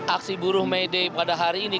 aksi buruh mayday pada hari ini